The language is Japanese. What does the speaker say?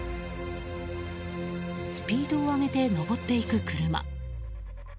スピードを上げて上っていく車。